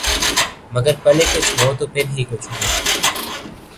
مگر پلے کچھ ہو تو پھر ہی کچھ ہو۔